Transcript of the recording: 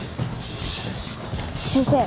先生。